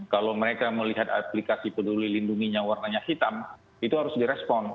kalau mereka melihat aplikasi peduli lindungi yang warnanya hitam itu harus di respon